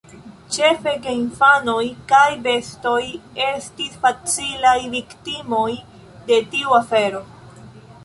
Ĉefe geinfanoj kaj bestoj estis facilaj viktimoj de tiu afero.